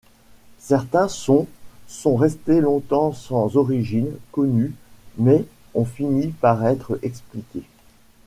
Certains sons sont restés longtemps sans origine connue mais ont fini par être expliqués.